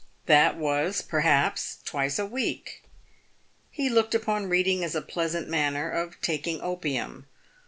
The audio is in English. That was, perhaps, twice a week. He looked upon reading as a pleasant manner of taking opium.